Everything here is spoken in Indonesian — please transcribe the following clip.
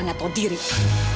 nggak tahu apa yang terjadi